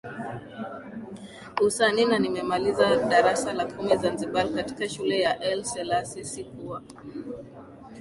usanii na nimemaliza darasa la kumi Zanzibar katika shule ya Aile Seasie Sikuwa